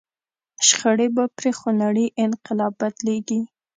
شخړې به پر خونړي انقلاب بدلېږي.